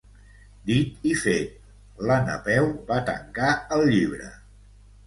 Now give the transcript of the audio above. Dit i fet, la Napeu va tancar el llibre.